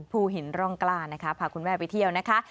ภูหินร่องกล้านะคะพาคุณแม่ไปเที่ยวนะคะ